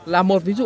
là một ví dụ